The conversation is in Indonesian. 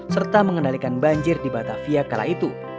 serta mengendalikan banjir di batavia kala itu